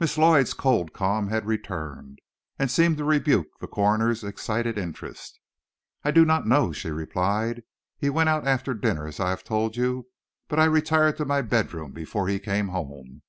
Miss Lloyd's cold calm had returned, and seemed to rebuke the coroner's excited interest. "I do not know," she replied. "He went out after dinner, as I have told you, but I retired to my bedroom before he came home."